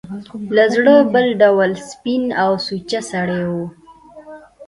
له زړه بل ډول سپین او سوچه سړی و.